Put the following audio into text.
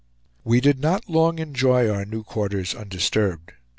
We did not long enjoy our new quarters undisturbed.